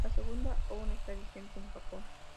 La segunda aún está vigente en Japón.